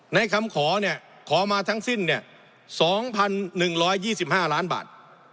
ในคำขอเนี่ยขอมาทั้งสิ้นเนี่ยสองพันหนึ่งร้อยยี่สิบห้าร้านบาท